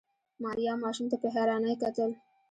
ماريا ماشوم ته په حيرانۍ کتل.